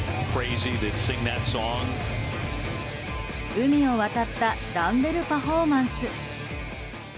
海を渡ったダンベルパフォーマンス。